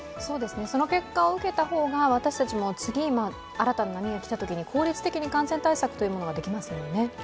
その結果を受けた方が、私たちも次、新たな波が来たときに効率的に感染対策ができますものね。